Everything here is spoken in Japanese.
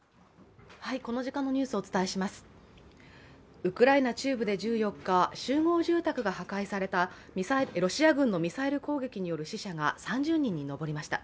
ウクライナ中部で１４日、集合住宅が破壊されたロシア軍のミサイル攻撃による死者が３０人に上りました。